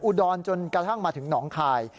อุดรจนกระทั่งมาถึงหนองคาย